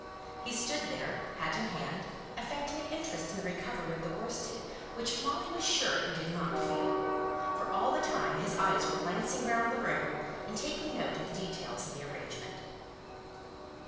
He stood there, hat in hand, affecting an interest in the recovery of the worsted which Molly was sure he did not feel; for all the time his eyes were glancing round the room, and taking note of the details in the arrangement.